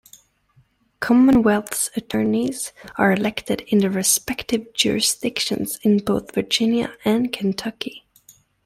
Commonwealth's attorneys are elected in their respective jurisdictions in both Virginia and Kentucky.